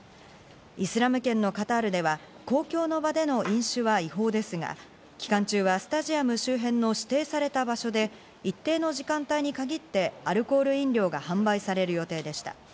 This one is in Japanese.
イスラム圏のカタールでは公共の場での飲酒は違法ですが、期間中はスタジアム周辺の指定された場所で一定の時間帯に限って、アルコール飲料が販売される予定でした。